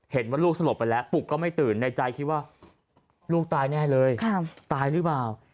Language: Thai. เห็นว่าลูกสลบไปแล้วปลุกก็ไม่ตื่นในใจคิดว่าลูกตายแน่เลยตายหรือเปล่า